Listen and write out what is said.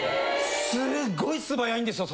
・すっごい素早いんですよ